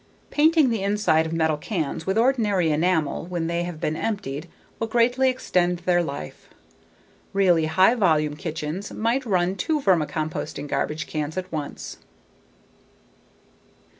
Painting the inside of metal cans with ordinary enamel when they have been emptied will greatly extend their life. Really high volume kitchens might run two vermicomposting garbage cans at once.